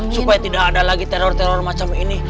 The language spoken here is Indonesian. supaya tidak ada lagi teror teror macam ini